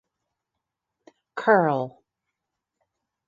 Curle.